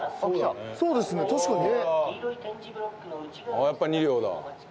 ああやっぱり２両だ。